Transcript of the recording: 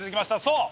そう！